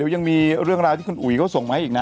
ยังมีเรื่องราวที่คุณอุ๋ยเขาส่งมาให้อีกนะ